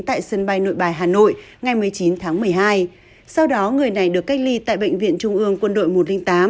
tại sân bay nội bài hà nội ngày một mươi chín tháng một mươi hai sau đó người này được cách ly tại bệnh viện trung ương quân đội một trăm linh tám